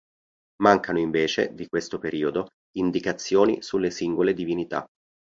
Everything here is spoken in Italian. Mancano invece, di questo periodo, indicazioni sulle singole divinità.